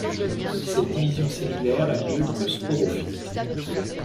Cette division cellulaire a lieu dans le sporophyte.